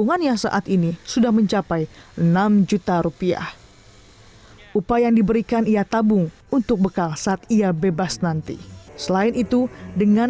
untuk hai upah yang diberikan ia tabung untuk bekas saat ia bebas nanti selain itu dengan